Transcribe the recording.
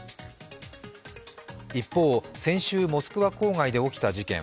一方、先週モスクワ郊外で起きた事件。